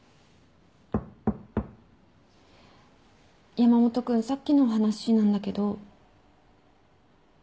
山本君さっきの話なんだけど。